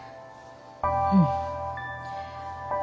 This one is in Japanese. うん。